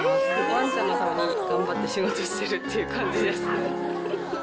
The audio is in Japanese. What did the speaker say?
ワンちゃんのために頑張って仕事してるっていう感じです。